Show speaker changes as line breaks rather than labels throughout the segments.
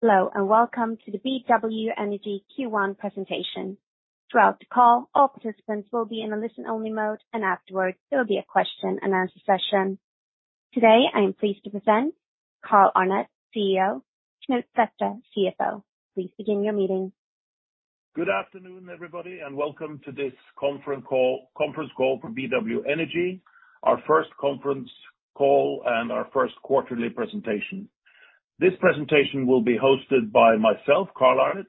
Hello, and welcome to the BW Energy Q1 presentation. Throughout the call, all participants will be in a listen-only mode. Afterwards, there will be a question-and-answer session. Today, I am pleased to present Carl Arnet, CEO, Knut Sæthre, CFO. Please begin your meeting.
Good afternoon, everybody, and welcome to this conference call for BW Energy, our first conference call and our first quarterly presentation. This presentation will be hosted by myself, Carl Arnet,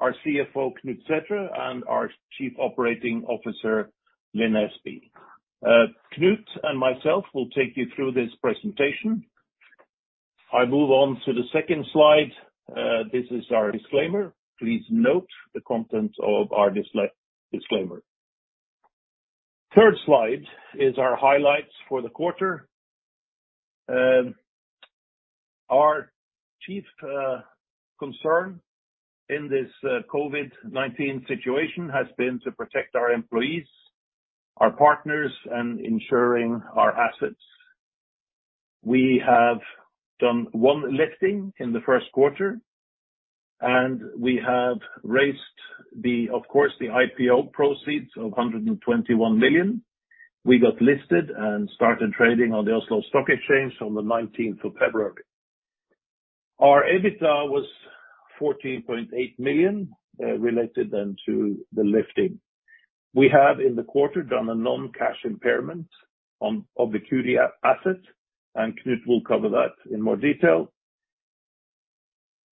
our CFO, Knut Sæthre, and our Chief Operating Officer, Lin Espey. Knut and myself will take you through this presentation. I move on to the second slide. This is our disclaimer. Please note the content of our disclaimer. Third slide is our highlights for the quarter. Our chief concern in this COVID-19 situation has been to protect our employees, our partners, and ensuring our assets. We have done one listing in the first quarter. We have raised, of course, the IPO proceeds of $121 million. We got listed and started trading on the Oslo Stock Exchange on the 19th of February. Our EBITDA was $14.8 million, related then to the listing. We have, in the quarter, done a non-cash impairment of the Kudu asset, and Knut will cover that in more detail.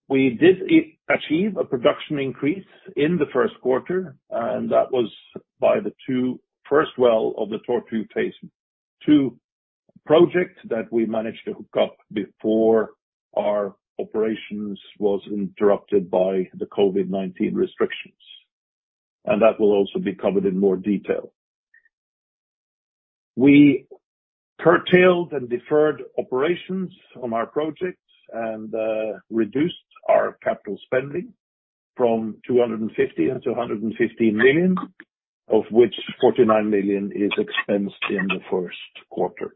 We did achieve a production increase in the first quarter, and that was by the two first well of the Tortue Phase Two project that we managed to hook up before our operations was interrupted by the COVID-19 restrictions. That will also be covered in more detail. We curtailed and deferred operations on our projects and reduced our capital spending from $250 million to $115 million, of which $49 million is expensed in the first quarter.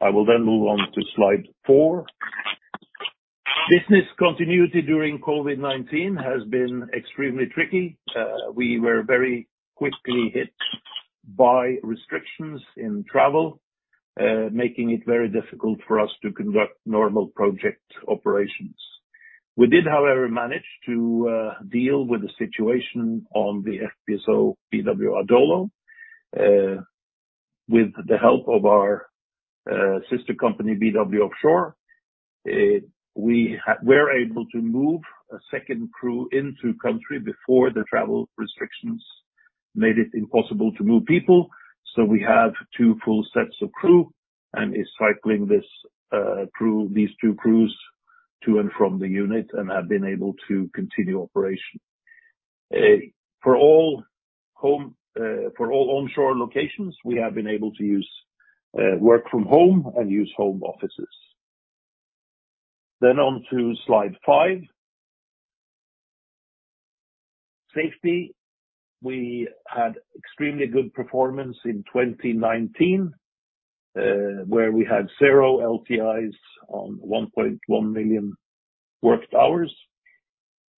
I will move on to slide four. Business continuity during COVID-19 has been extremely tricky. We were very quickly hit by restrictions in travel, making it very difficult for us to conduct normal project operations. We did, however, manage to deal with the situation on the FPSO BW Adolo. With the help of our sister company, BW Offshore, we were able to move a second crew into country before the travel restrictions made it impossible to move people. We have two full sets of crew and is cycling these two crews to and from the unit and have been able to continue operation. For all onshore locations, we have been able to work from home and use home offices. On to slide five. Safety. We had extremely good performance in 2019, where we had zero LTIs on 1.1 million worked hours.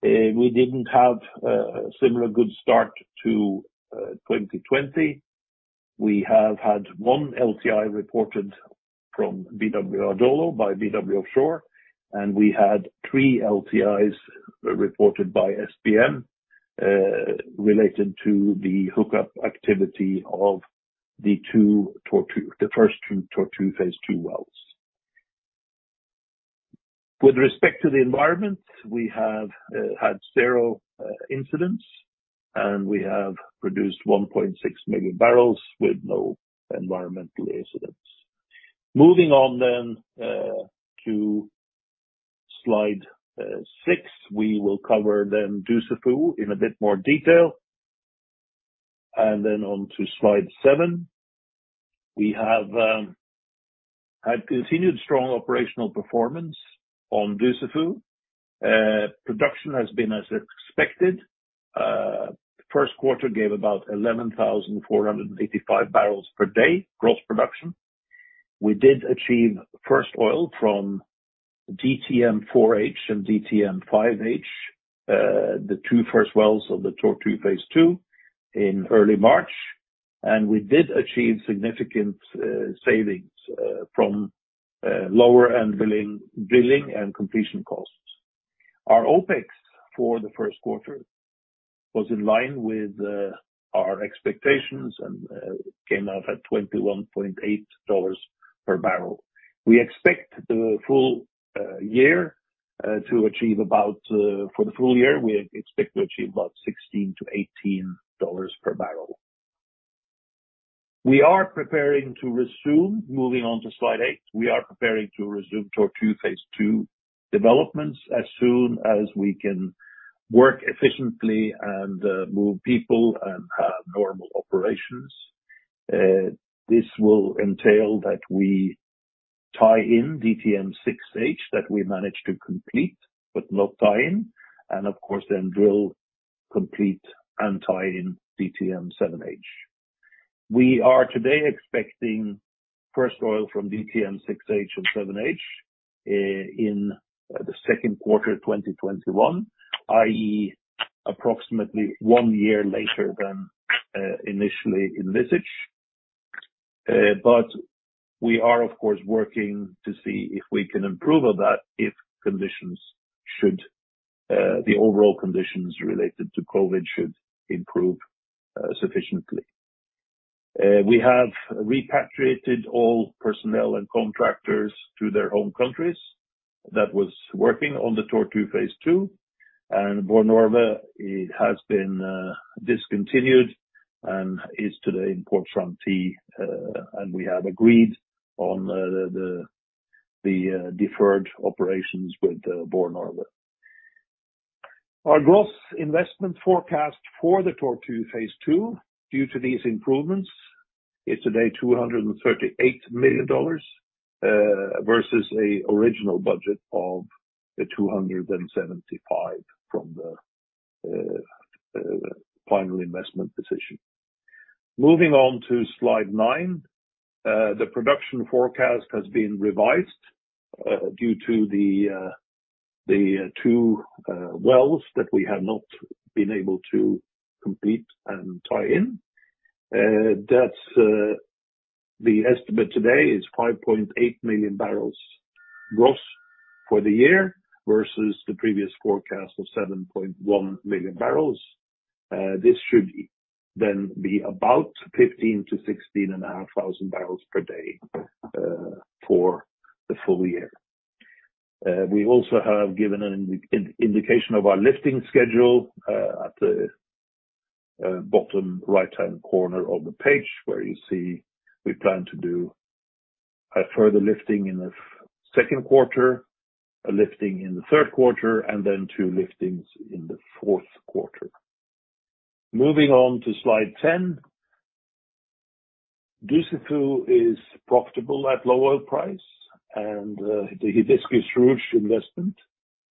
We didn't have a similar good start to 2020. We have had one LTI reported from BW Adolo by BW Offshore, and we had three LTIs reported by SBM related to the hookup activity of the first two Tortue Phase Two wells. With respect to the environment, we have had zero incidents, and we have produced 1.6 million barrels with no environmental incidents. Moving on to slide six. We will cover then Dussafu in a bit more detail. On to slide seven. We have had continued strong operational performance on Dussafu. Production has been as expected. First quarter gave about 11,485 barrels per day gross production. We did achieve first oil from DTM-4H and DTM-5H, the two first wells of the Tortue Phase Two in early March, and we did achieve significant savings from lower all-in drilling and completion costs. Our OPEX for the first quarter was in line with our expectations and came out at $21.8 per barrel. For the full year, we expect to achieve about $16-$18 per barrel. Moving on to slide eight. We are preparing to resume Tortue Phase 2 developments as soon as we can work efficiently and move people and have normal operations. This will entail that we tie in DTM-6H, that we managed to complete but not tie in, and of course then drill, complete, and tie in DTM-7H. We are today expecting first oil from DTM-6H and 7H in the second quarter 2021, i.e., approximately one year later than initially envisaged. We are, of course, working to see if we can improve on that if the overall conditions related to COVID-19 should improve sufficiently. We have repatriated all personnel and contractors to their home countries that was working on the Tortue Phase 2. Borr Norve, it has been discontinued and is today in port franc. We have agreed on the deferred operations with Borr Norve. Our gross investment forecast for the Tortue Phase 2, due to these improvements, is today $238 million versus a original budget of $275 million from the Final Investment Decision. Moving on to slide 9. The production forecast has been revised due to the two wells that we have not been able to complete and tie in. The estimate today is 5.8 million barrels gross for the year versus the previous forecast of 7.1 million barrels. This should then be about 15 to 16.5 thousand barrels per day for the full year. We also have given an indication of our lifting schedule at the bottom right-hand corner of the page, where you see we plan to do a further lifting in the second quarter, a lifting in the third quarter, and then two liftings in the fourth quarter. Moving on to slide 10. Dussafu is profitable at low oil price, and the Hibiscus-Ruche investment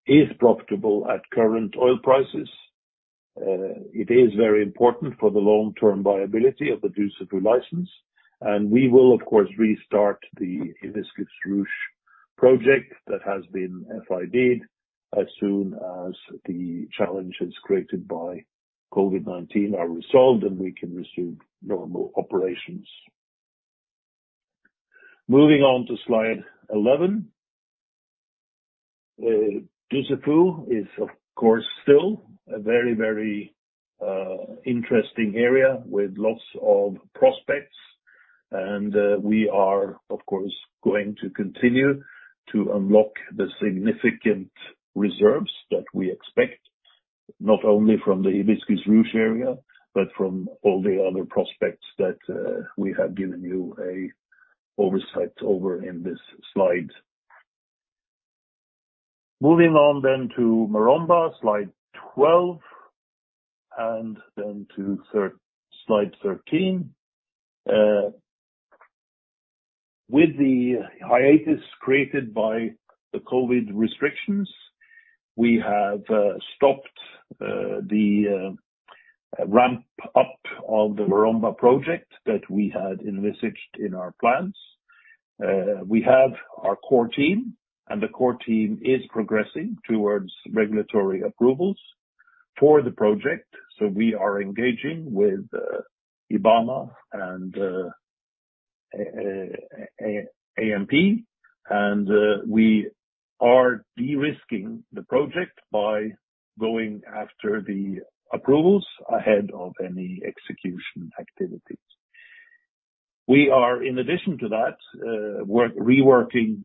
is profitable at current oil prices. It is very important for the long-term viability of the Dussafu license, and we will, of course, restart the Hibiscus-Ruche project that has been FIDed as soon as the challenges created by COVID-19 are resolved, and we can resume normal operations. Moving on to slide 11. Dussafu is, of course, still a very interesting area with lots of prospects, and we are, of course, going to continue to unlock the significant reserves that we expect, not only from the Hibiscus-Ruche area, but from all the other prospects that we have given you an oversight over in this slide. Moving on then to Maromba, slide 12, and then to slide 13. With the hiatus created by the COVID restrictions, we have stopped the ramp-up of the Maromba project that we had envisaged in our plans. We have our core team, and the core team is progressing towards regulatory approvals for the project, so we are engaging with IBAMA and ANP, and we are de-risking the project by going after the approvals ahead of any execution activities. We are, in addition to that, reworking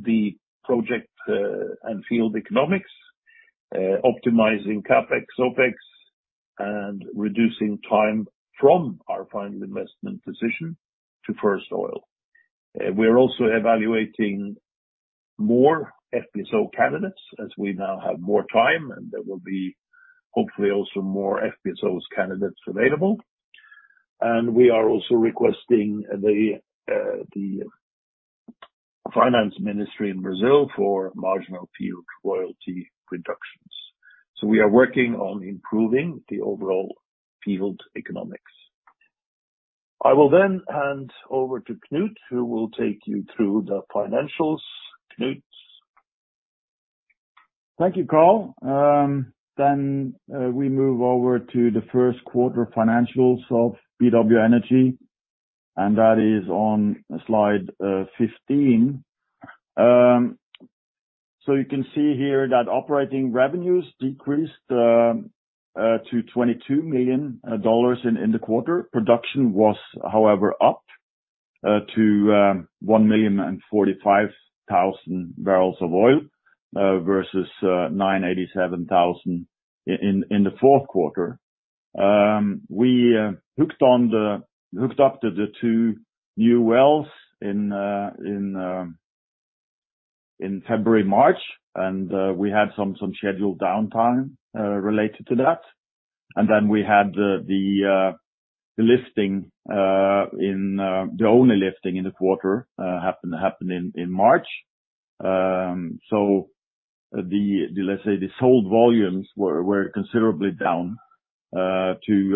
the project and field economics, optimizing CapEx, OpEx, and reducing time from our final investment decision to first oil. We are also evaluating more FPSO candidates as we now have more time, and there will be hopefully also more FPSOs candidates available. We are also requesting the finance ministry in Brazil for marginal field royalty reductions. We are working on improving the overall field economics. I will hand over to Knut, who will take you through the financials. Knut?
Thank you, Carl. We move over to the first quarter financials of BW Energy, and that is on slide 15. You can see here that operating revenues decreased to $22 million in the quarter. Production was, however, up to 1,045,000 barrels of oil versus 987,000 in the fourth quarter. We hooked up the two new wells in February, March, and we had some scheduled downtime related to that. We had the only lifting in the quarter happened in March. Let's say the sold volumes were considerably down to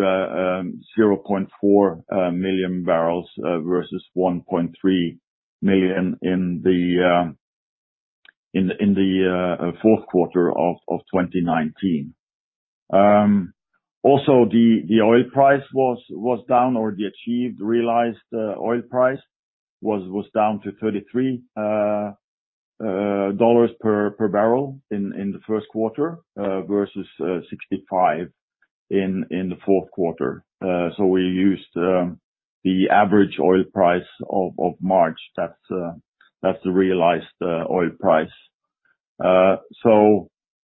0.4 million barrels versus 1.3 million in the fourth quarter of 2019. Also, the oil price was down, or the achieved realized oil price was down to $33 per barrel in the first quarter versus $65 in the fourth quarter. We used the average oil price of March. That's the realized oil price.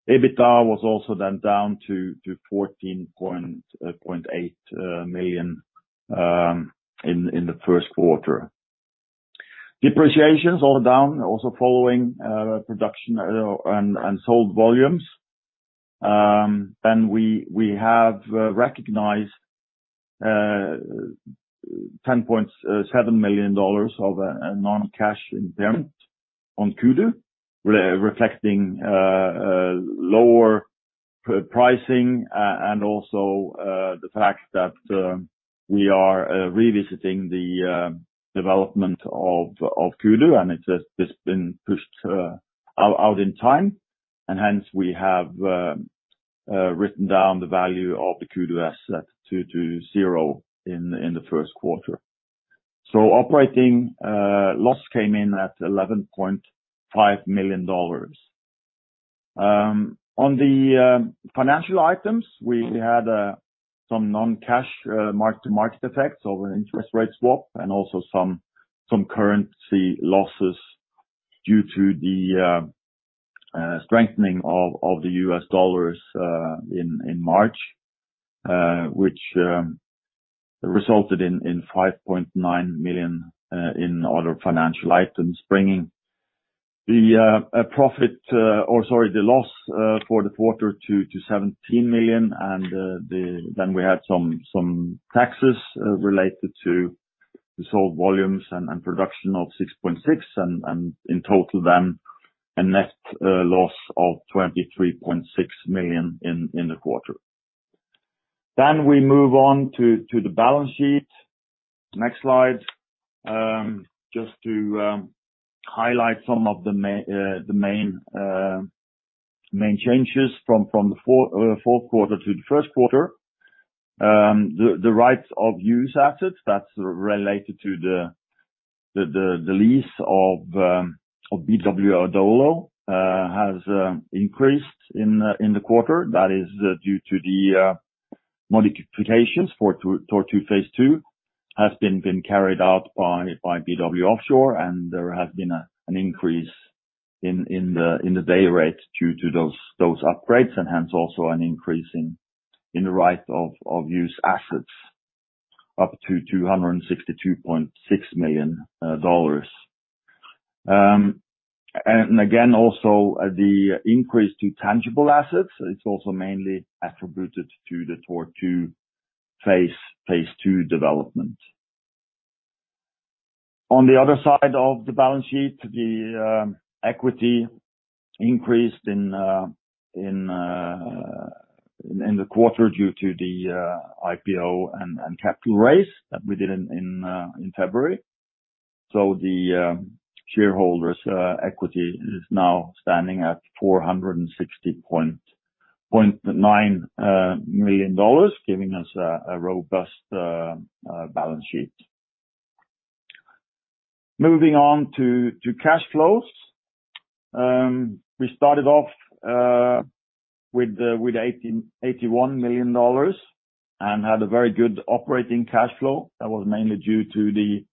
EBITDA was also then down to $14.8 million in the first quarter. Depreciations are down also following production and sold volumes. We have recognized $10.7 million of a non-cash impairment on Kudu, reflecting lower pricing and also the fact that we are revisiting the development of Kudu, and it has just been pushed out in time, and hence we have written down the value of the Kudu asset to zero in the first quarter. Operating loss came in at $11.5 million. On the financial items, we had some non-cash mark-to-market effects of an interest rate swap and also some currency losses due to the strengthening of the US dollars in March, which resulted in $5.9 million in other financial items, bringing the profit, or sorry, the loss for the quarter to $17 million. We had some taxes related to the sold volumes and production of $6.6, and in total then, a net loss of $23.6 million in the quarter. We move on to the balance sheet. Next slide. Just to highlight some of the main changes from the fourth quarter to the first quarter. The rights of use assets that's related to the lease of BW Adolo has increased in the quarter. That is due to the modifications for Tortue Phase 2 has been carried out by BW Offshore, and there has been an increase in the day rate due to those upgrades, and hence also an increase in the right of use assets up to $262.6 million. Again, also the increase to tangible assets, it's also mainly attributed to the Tortue Phase 2 development. On the other side of the balance sheet, the equity increased in the quarter due to the IPO and capital raise that we did in February. The shareholders equity is now standing at $460.9 million, giving us a robust balance sheet. Moving on to cash flows. We started off with $81 million and had a very good operating cash flow. That was mainly due to the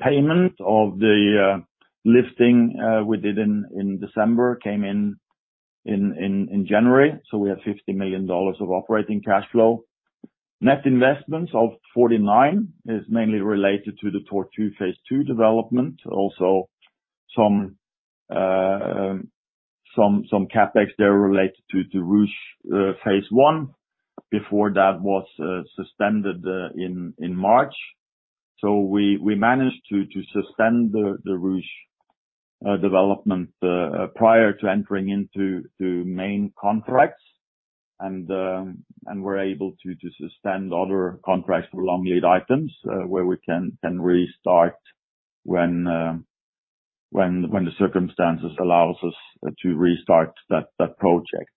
payment of the listing we did in December, came in in January. We had $50 million of operating cash flow. Net investments of $49 million is mainly related to the Tortue Phase 2 development. Also some CapEx there related to Ruche Phase 1 before that was suspended in March. We managed to suspend the Ruche development prior to entering into main contracts and were able to suspend other contracts for long lead items where we can restart when the circumstances allows us to restart that project.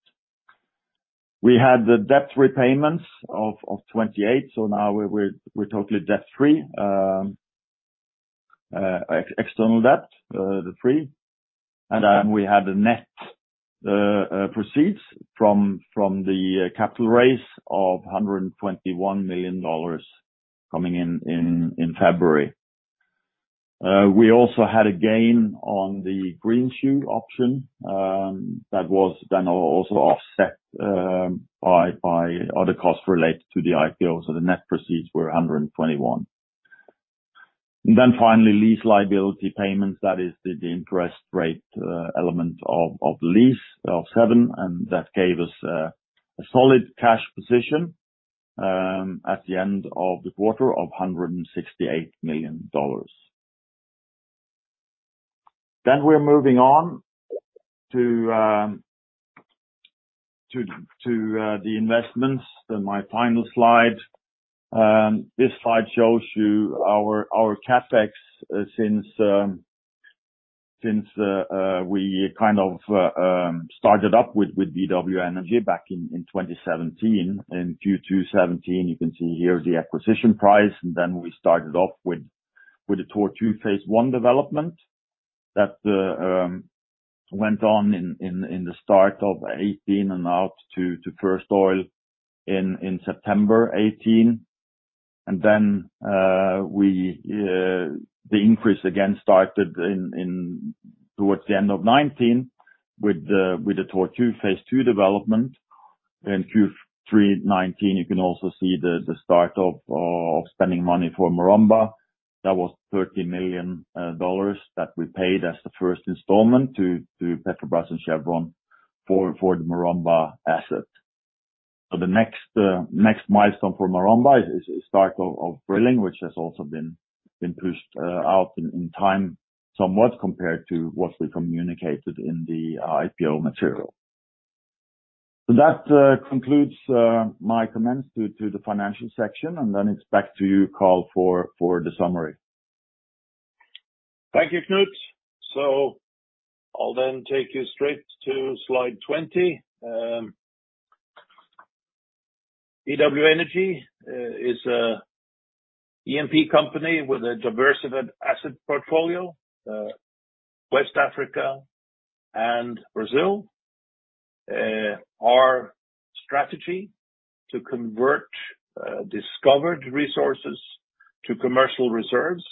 We had the debt repayments of $28 million, now we're totally debt-free, external debt-free. We had the net proceeds from the capital raise of $121 million coming in in February. We also had a gain on the Greenshoe option that was then also offset by other costs related to the IPO, the net proceeds were $121 million. Finally, lease liability payments, that is the interest rate element of Lease of Seven, and that gave us a solid cash position. At the end of the quarter of $168 million. We're moving on to the investments, my final slide. This slide shows you our CapEx since we started up with BW Energy back in 2017. In Q2 2017, you can see here the acquisition price, and we started off with the Tortue Phase 1 development that went on in the start of 2018 and out to first oil in September 2018. The increase again started towards the end of 2019 with the Tortue Phase 2 development. In Q3 2019, you can also see the start of spending money for Maromba. That was $30 million that we paid as the first installment to Petrobras and Chevron for the Maromba asset. The next milestone for Maromba is the start of drilling, which has also been pushed out in time somewhat compared to what we communicated in the IPO material. That concludes my comments to the financial section, and then it's back to you, Carl, for the summary.
Thank you, Knut. I'll take you straight to slide 20. BW Energy is an E&P company with a diversified asset portfolio, West Africa and Brazil. Our strategy to convert discovered resources to commercial reserves,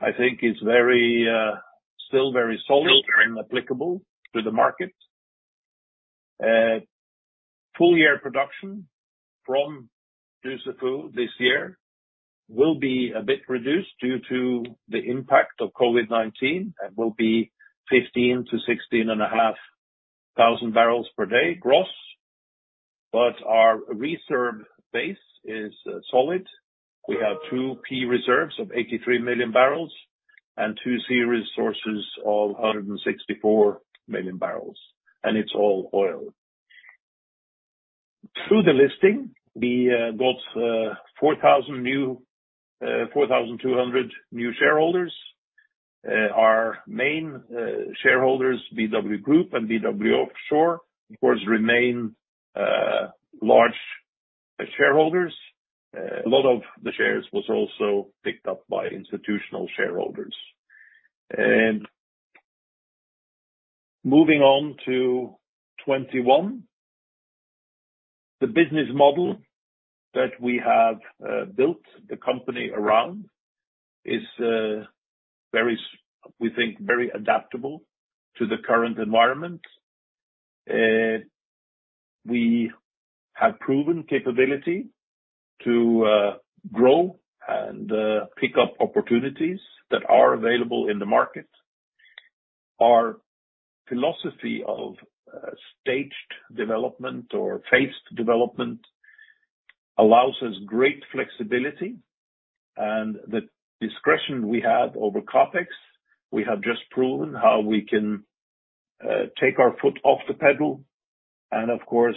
I think is still very solid and applicable to the market. Full-year production from Dussafu this year will be a bit reduced due to the impact of COVID-19, will be 15 to 16.5 thousand barrels per day gross. Our reserve base is solid. We have 2P reserves of 83 million barrels and 2C resources of 164 million barrels. It's all oil. Through the listing, we got 4,200 new shareholders. Our main shareholders, BW Group and BW Offshore, of course, remain large shareholders. A lot of the shares was also picked up by institutional shareholders. Moving on to 2021. The business model that we have built the company around is we think very adaptable to the current environment. We have proven capability to grow and pick up opportunities that are available in the market. Our philosophy of staged development or phased development allows us great flexibility and the discretion we have over CapEx. We have just proven how we can take our foot off the pedal, and of course,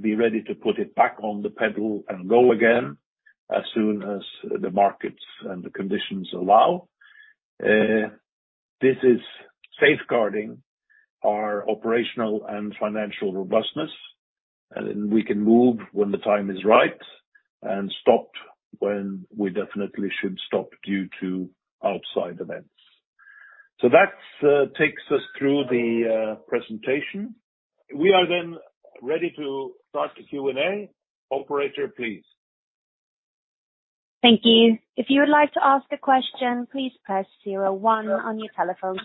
be ready to put it back on the pedal and go again as soon as the markets and the conditions allow. This is safeguarding our operational and financial robustness, and we can move when the time is right and stop when we definitely should stop due to outside events. That takes us through the presentation. We are ready to start the Q&A. Operator, please.
Thank you. If you would like to ask a question, please press 01 on your telephone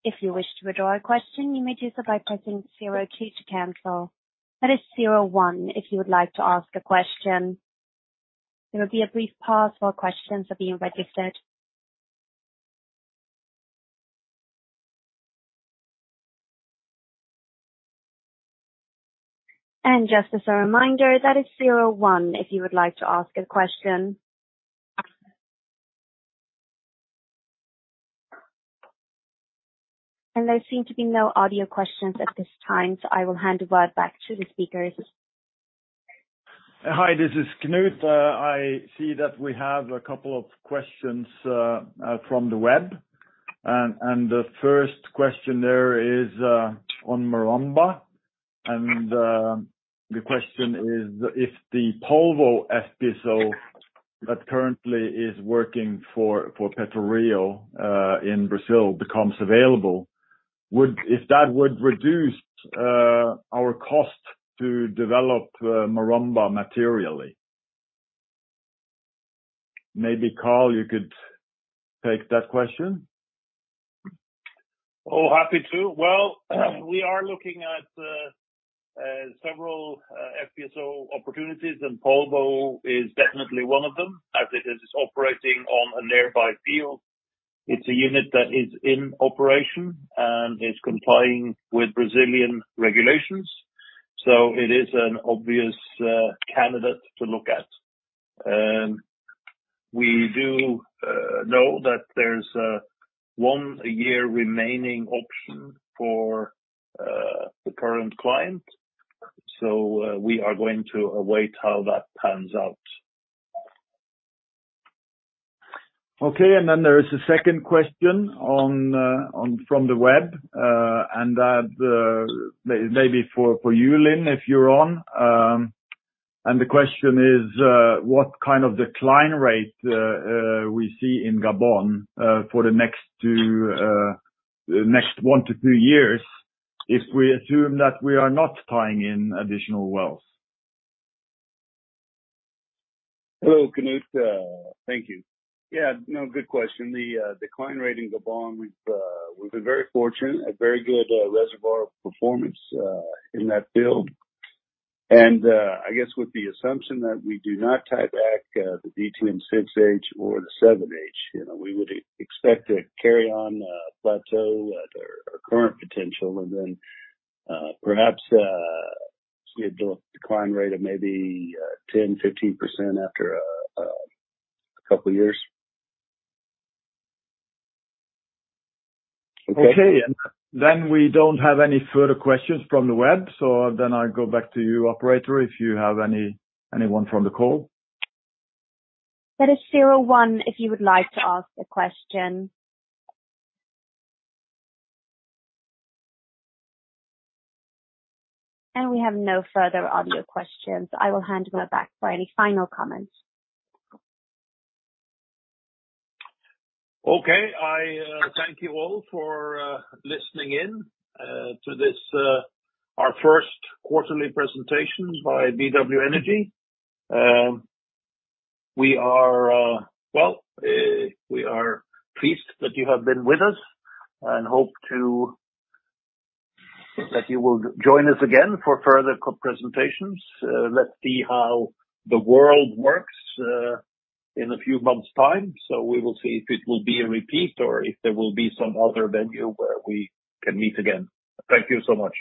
keypad. If you wish to withdraw a question, you may do so by pressing 02 to cancel. That is 01 if you would like to ask a question. There will be a brief pause while questions are being registered. Just as a reminder, that is 01 if you would like to ask a question. There seem to be no audio questions at this time, so I will hand the word back to the speakers.
Hi, this is Knut. I see that we have a couple of questions from the web. The first question there is on Maromba. The question is, if the Polvo FPSO that currently is working for PetroRio in Brazil becomes available, if that would reduce our cost to develop Maromba materially. Maybe Carl, you could take that question.
Oh, happy to. Well, we are looking at several FPSO opportunities, and Polvo is definitely one of them as it is operating on a nearby field. It's a unit that is in operation and is complying with Brazilian regulations, so it is an obvious candidate to look at. We do know that there's a one-year remaining option for the current client, so we are going to await how that pans out. Okay, then there is a second question from the web, and that maybe for you, Lin, if you're on. The question is, what kind of decline rate we see in Gabon for the next one to two years if we assume that we are not tying in additional wells?
Hello, Knut. Thank you. Yeah, no, good question. The decline rate in Gabon, we've been very fortunate, a very good reservoir performance in that field. I guess with the assumption that we do not tie back the DTM-2 and 6H or the 7H, we would expect to carry on a plateau at our current potential, and then perhaps see a decline rate of maybe 10%, 15% after a couple years.
Okay. We don't have any further questions from the web, so then I'll go back to you, operator, if you have anyone from the call.
That is zero one, if you would like to ask a question. We have no further audio questions. I will hand over back for any final comments.
Okay. I thank you all for listening in to our first quarterly presentation by BW Energy. We are pleased that you have been with us and hope that you will join us again for further presentations. Let's see how the world works in a few months' time. We will see if it will be a repeat or if there will be some other venue where we can meet again. Thank you so much.